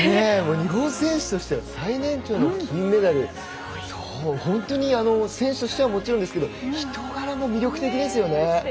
日本選手としては最年長の金メダル本当に選手としてはもちろん人柄も魅力的ですよね。